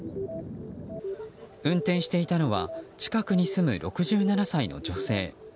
運転していたのは近くに住む６７歳の女性。